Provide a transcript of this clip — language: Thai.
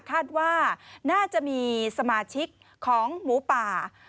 คาดว่าน่าจะมีสมาชิกของหมูป่า